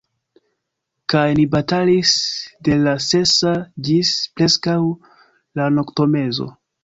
Kaj ni batalis de la sesa ĝis preskaŭ la noktomezo.